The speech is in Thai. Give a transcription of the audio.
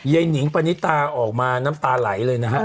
หนิงปณิตาออกมาน้ำตาไหลเลยนะฮะ